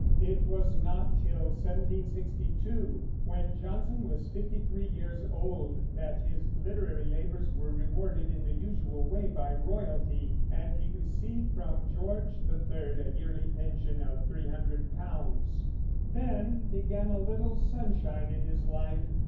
It was not till 1762, when Johnson was fifty three years old, that his literary labors were rewarded in the usual way by royalty, and he received from George III a yearly pension of three hundred pounds. Then began a little sunshine in his life.